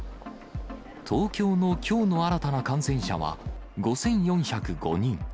東京のきょうの新たな感染者は５４０５人。